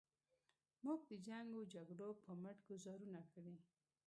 موږ د جنګ و جګړو په مټ ګوزارونه کړي.